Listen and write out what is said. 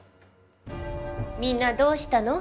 みんなどうしたの？